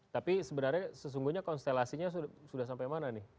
tapi sebenarnya sesungguhnya konstelasinya sudah sampai mana nih